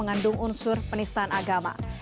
adalah sebuah penyataan agama yang terkenal